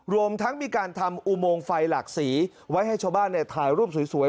รวมทั้งมีการทำอุโมงไฟหลากสีไว้ให้ชาวบ้านถ่ายรูปสวย